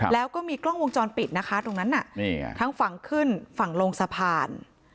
แล้วก็มีกล้องวงจรปิดนะคะตรงนั้นทั้งฝั่งขึ้นฝั่งลงสะพาน